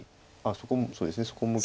そこもそうです。